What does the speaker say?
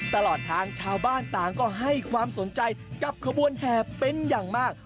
ตลอดทางชาวบ้านต่างก็ให้ความสนใจกับขบวนแห่เป็นอย่างมาก